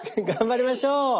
頑張りましょう！